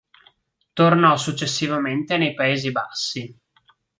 Tornò successivamente nei Paesi Bassi.